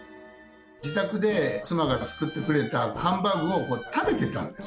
自宅で妻が作ってくれたハンバーグを食べてたんです。